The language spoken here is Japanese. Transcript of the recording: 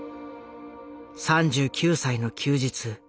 ３９歳の休日。